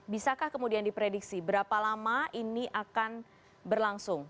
bisakah kemudian diprediksi berapa lama ini akan berlangsung